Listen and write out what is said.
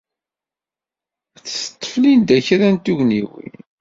Ad d-teḍḍef Linda kra n tugniwin.